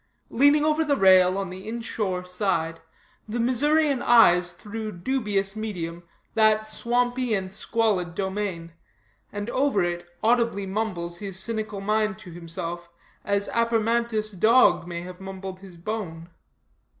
Leaning over the rail on the inshore side, the Missourian eyes through the dubious medium that swampy and squalid domain; and over it audibly mumbles his cynical mind to himself, as Apermantus' dog may have mumbled his bone.